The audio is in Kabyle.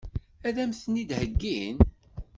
Ad m-ten-id-heggin?